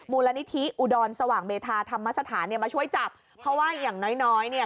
มูลนิธิอุดรสว่างเมธาธรรมสถานเนี่ยมาช่วยจับเพราะว่าอย่างน้อยน้อยเนี่ย